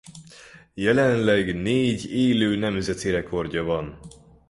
Jelenleg négy élő nemzeti rekordja van.